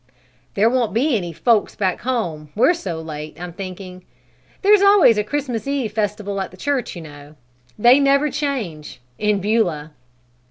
"There won't be any 'folks back home,' we're so late, I'm thinking. There's always a Christmas Eve festival at the church, you know. They never change in Beulah."